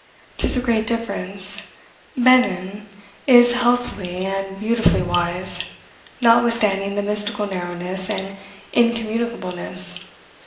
'Tis a great difference. Behmen is healthily and beautifully wise, notwithstanding the mystical narrowness and incommunicableness.